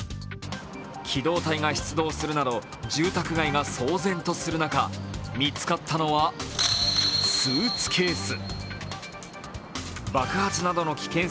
機動隊が出動するなど住宅街が騒然とする中、見つかったのはスーツケース。